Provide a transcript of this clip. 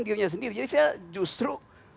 dirinya sendiri jadi saya justru